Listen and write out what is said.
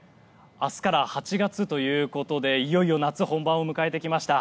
明日から８月ということでいよいよ夏本番を迎えてきました。